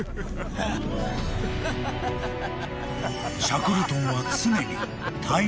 ［シャクルトンは常に］